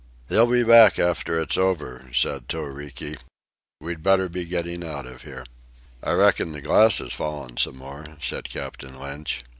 "They'll be back after it's over," said Toriki. "We'd better be getting out of here." "I reckon the glass has fallen some more," said Captain Lynch.